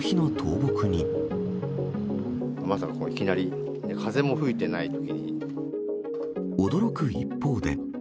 まさかいきなり、驚く一方で。